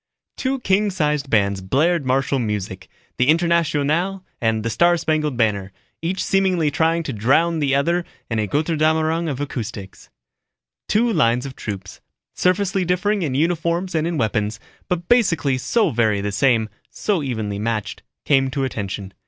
_ Two king sized bands blared martial music, the "Internationale" and the "Star Spangled Banner," each seemingly trying to drown the other in a Götterdämmerung of acoustics. Two lines of troops, surfacely differing in uniforms and in weapons, but basically so very the same, so evenly matched, came to attention.